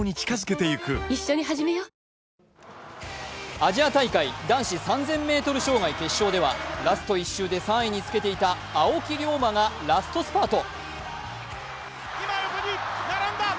アジア大会・男子３０００ｍ障害決勝ではラスト１周で３位につけていた青木涼真がラストスパート。